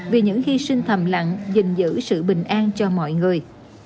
vì những hy sinh thầm lặng dình giữ sự bình an cho mọi người